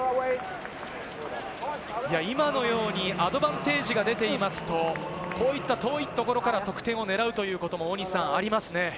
今のようにアドバンテージが出ていますと、こういった遠いところから得点を狙うということも大西さん、ありますね。